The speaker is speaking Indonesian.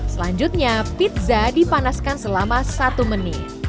selanjutnya pizza dipanaskan selama satu menit